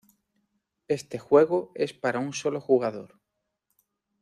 Este juego es para un solo jugador.